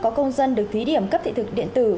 có công dân được thí điểm cấp thị thực điện tử